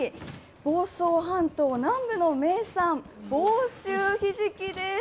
房総半島南部の名産、房州ひじきです。